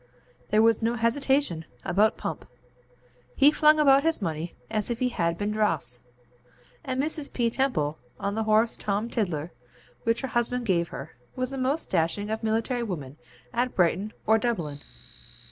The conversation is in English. There was no hesitation about Pump. He flung about his money as if it had been dross; and Mrs. P. Temple, on the horse Tom Tiddler, which her husband gave her, was the most dashing of military women at Brighton or Dublin.